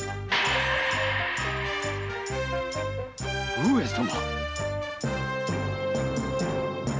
上様！